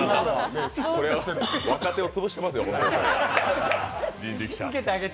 若手を潰してますよ、人力舎。